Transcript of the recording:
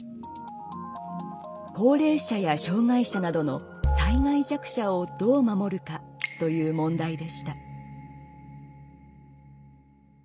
高齢者や障害者などの「災害弱者」をどう守るかという問題でした。